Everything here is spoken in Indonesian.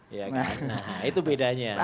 nah itu bedanya